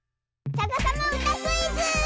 「さかさまうたクイズ」！